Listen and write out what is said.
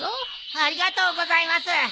ありがとうございます。